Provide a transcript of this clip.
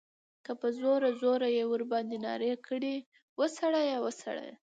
په زوره، زوره ئی ورباندي نارې کړې ، وسړیه! وسړیه!